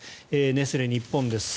ネスレ日本です。